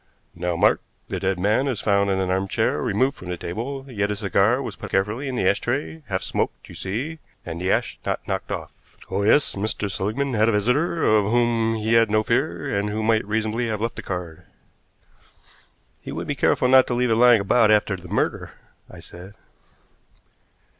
Now mark, the dead man is found in an arm chair removed from the table, yet his cigar was put carefully into the ash tray, half smoked, you see, and the ash not knocked off. Oh, yes, Mr. Seligmann had a visitor of whom he had no fear, and who might reasonably have left a card." "He would be careful not to leave it lying about after the murder," I said.